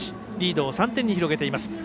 リードを３点に広げています。